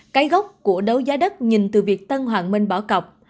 cái gốc của đấu giá đất nhìn từ việc tân hoàng minh bỏ cọc